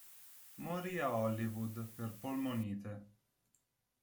Morì a Hollywood per polmonite.